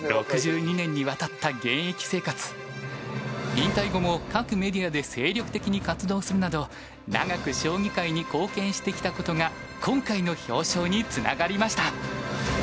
引退後も各メディアで精力的に活動するなど長く将棋界に貢献してきたことが今回の表彰につながりました。